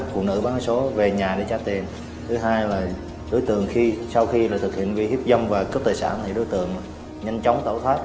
qua nhiều ngày nhiều tháng